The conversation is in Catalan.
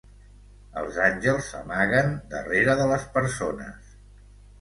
Els àngels s'amaguen, darrere de les persones.